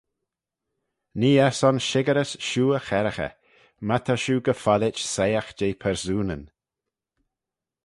Nee eh son shickyrys shiu y cherraghey, my ta shiu gy-follit soiagh jeh persoonyn.